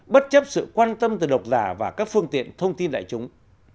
bất chấp sự quan tâm từ độc giả và các phương tiện thông tin đại chúng